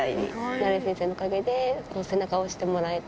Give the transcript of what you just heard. ナレ先生のおかげで背中を押してもらえて。